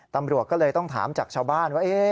ตำรวจก็เลยต้องถามจากชาวบ้านว่า